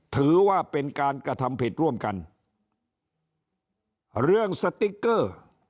ถือว่าเป็นการกระทำผิดร่วมกันเรื่องสติ๊กเกอร์